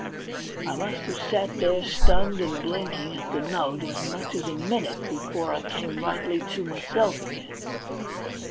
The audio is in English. I must have sat there stunned and blinking at the note as much as a minute before I came rightly to myself again.